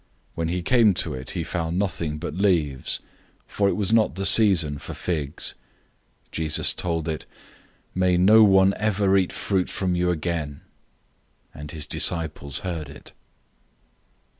When he came to it, he found nothing but leaves, for it was not the season for figs. 011:014 Jesus told it, "May no one ever eat fruit from you again!" and his disciples heard it.